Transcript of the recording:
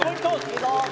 いいぞ！